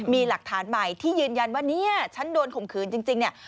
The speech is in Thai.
มีหลักฐานใหม่ที่ยืนยันว่าเนี่ยฉันโดนข่มขืนจริงเนี่ย